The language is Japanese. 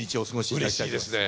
うれしいですね。